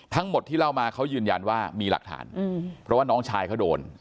ทั้งหมดที่เล่ามาเขายืนยันว่ามีหลักฐานเพราะว่าน้องชายเขาโดน